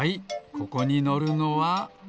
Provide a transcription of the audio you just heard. ここにのるのは。